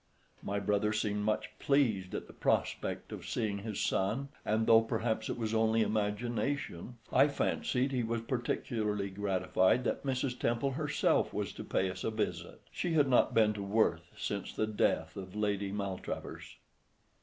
My brother seemed much pleased at the prospect of seeing his son, and though perhaps it was only imagination, I fancied he was particularly gratified that Mrs. Temple herself was to pay us a visit. She had not been to Worth since the death of Lady Maltravers.